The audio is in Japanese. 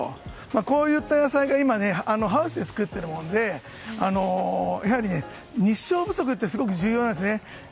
こういった野菜が今、ハウスで作っているものでやはり日照時間ってすごく重要なんですね。